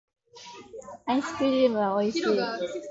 アイスクリームはおいしい